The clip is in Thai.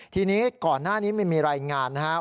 ทีนี้ก่อนหน้านี้มันมีรายงานนะครับ